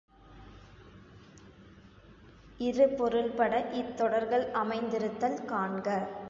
இரு பொருள்பட இத்தொடர்கள் அமைந் திருத்தல் காண்க.